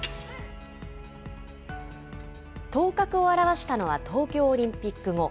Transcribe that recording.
頭角を現したのは東京オリンピック後。